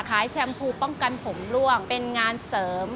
แชมพูป้องกันผมล่วงเป็นงานเสริม